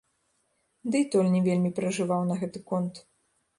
Дый той не вельмі перажываў на гэты конт.